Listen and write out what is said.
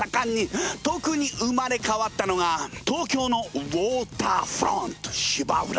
特に生まれ変わったのが東京のウォーターフロント芝浦！